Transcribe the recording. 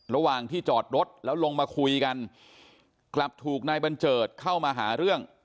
ระหว่างที่จอดรถแล้วลงมาคุยกันกลับถูกนายบัญเจิดเข้ามาหาเรื่อง